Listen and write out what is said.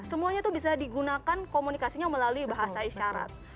semuanya itu bisa digunakan komunikasinya melalui bahasa isyarat